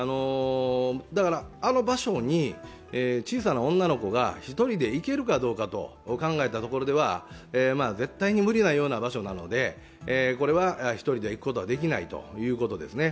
だから、あの場所に小さな女の子が１人で行けるかどうかと考えたところでは絶対に無理なような場所なのでこれは１人で行くことはできないということですね。